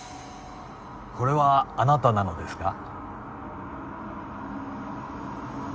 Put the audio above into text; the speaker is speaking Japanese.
これはあなたなのですか？